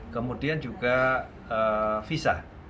kemudian juga visa